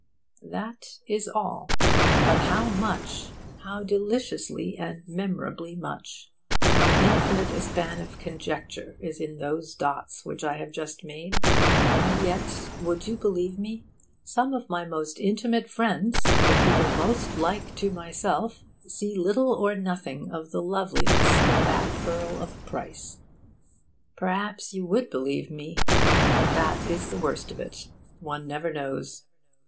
That is all. But how much! how deliciously and memorably much! How infinite a span of conjecture is in those dots which I have just made! And yet, would you believe me? some of my most intimate friends, the people most like to myself, see little or nothing of the loveliness of that pearl of price. Perhaps you would believe me. That is the worst of it: one never knows.